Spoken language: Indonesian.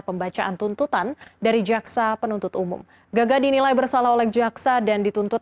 pembacaan tuntutan dari jaksa penuntut umum gagah dinilai bersalah oleh jaksa dan dituntut